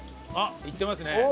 あっいってますね。